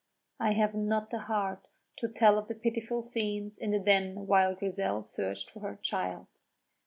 I have not the heart to tell of the pitiful scenes in the Den while Grizel searched for her child.